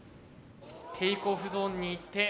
テイクオフゾーンに行って。